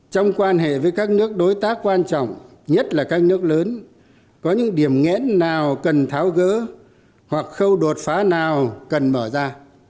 trong quan hệ với các nước đối tác quan trọng nhất là các nước lớn có những điểm nghẽn nào cần tháo gỡ hoặc khâu đột phá nào cần mở ra